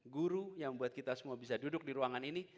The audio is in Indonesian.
guru yang membuat kita semua bisa duduk di ruangan ini